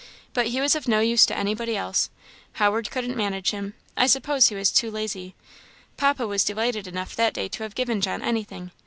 But he was of no use to anybody else. Howard couldn't manage him I suppose he was too lazy. Papa was delighted enough that day to have given John anything.